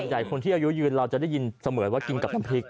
ใหญ่คนที่อายุยืนเราจะได้ยินเสมอว่ากินกับน้ำพริก